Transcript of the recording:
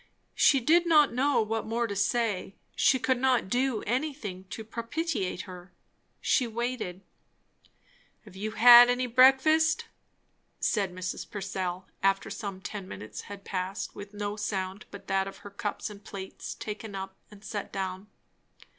She did not know what more to say; she could not do anything to propitiate her. She waited. "Have you had any breakfast?" said Mrs. Purcell, after some ten minutes had passed with no sound but that of her cups and plates taken up and set down.